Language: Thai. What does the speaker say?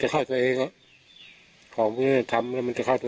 จะคิดไปหัวของตัวพี่เองที่จะมัดไหมไม่มัดที่ทำไงอ่ะ